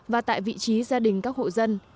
và tại vị trí gia đình các hộ dân